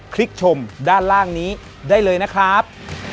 ลิกชมด้านล่างนี้ได้เลยนะครับ